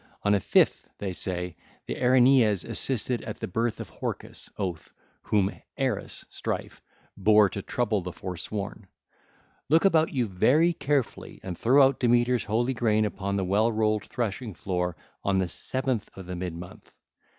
On a fifth day, they say, the Erinyes assisted at the birth of Horcus (Oath) whom Eris (Strife) bare to trouble the forsworn. {[0 9]} (ll. 805 809) Look about you very carefully and throw out Demeter's holy grain upon the well rolled 1343 threshing floor on the seventh of the mid month.